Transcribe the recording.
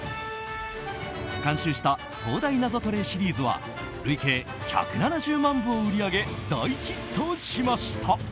監修した「東大ナゾトレ」シリーズは累計１７０万部を売り上げ大ヒットしました。